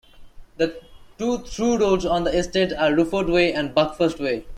The two through-roads on the estate are Rufford Way and Buckfast Way.